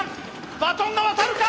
バトンが渡るか！